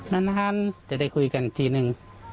นานจะได้คุยกันทีนึง